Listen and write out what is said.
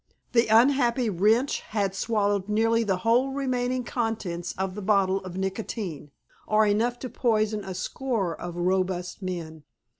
The unhappy wretch had swallowed nearly the whole remaining contents of the bottle of nicotine, or enough to poison a score of robust men.